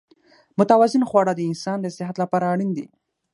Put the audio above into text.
متوازن خواړه د انسان د صحت لپاره اړین دي.